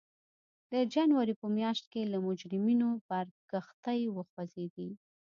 د جنورۍ په میاشت کې له مجرمینو بار کښتۍ وخوځېدې.